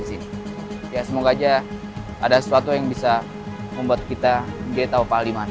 semoga saja ada sesuatu yang bisa membuat kita jadi tahu pak al di mana